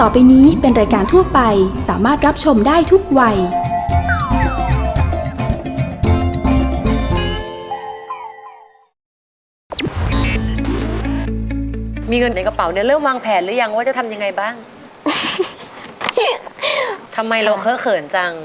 มีเงินในกระเป๋าเริ่มวางแผนหรือยังว่าจะทำยังไงบ้างทำไมเราเข้าเขินจัง